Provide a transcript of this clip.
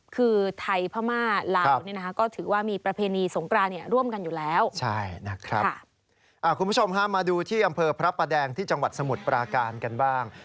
คุณผู้ชมค่ะมาดูที่อำเภอพระปลาแดงที่จังหวัดสมุทรปราการกันบ้าง